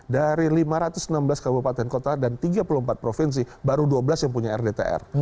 dari lima ratus enam belas kabupaten kota dan tiga puluh empat provinsi baru dua belas yang punya rdtr